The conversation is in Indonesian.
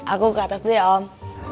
aku ke atas itu ya om